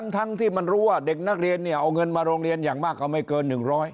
ทั้งที่มันรู้ว่าเด็กนักเรียนเนี่ยเอาเงินมาโรงเรียนอย่างมากก็ไม่เกิน๑๐๐